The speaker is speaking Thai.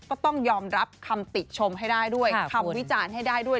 ก็ต้องยอมรับคำติชมให้ได้ด้วยคำวิจารณ์ให้ได้ด้วย